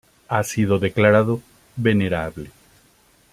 Ha sido declarado Venerable.